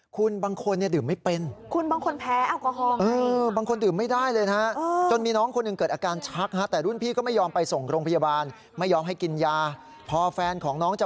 คุณบางคนดื่มไม่เป็น